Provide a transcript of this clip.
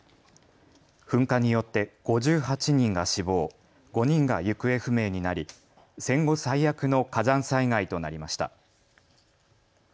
噴火によって５８人が死亡５人が行方不明になり戦後最悪の火山災害となりました。